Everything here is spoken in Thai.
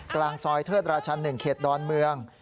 กลางซอยเทิดราชัน๑เขตดอนเมือง